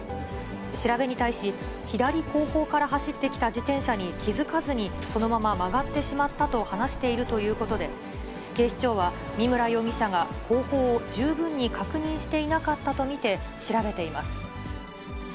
調べに対し、左後方から走ってきた自転車に気付かずにそのまま曲がってしまったと話しているということで、警視庁は、見村容疑者が後方を十分に確認していなかったと見て調べています。